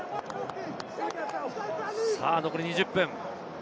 残り２０分。